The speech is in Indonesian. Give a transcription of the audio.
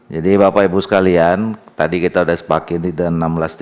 jadi bapak ibu sekalian tadi kita udah sepakin di dan enam belas tiga puluh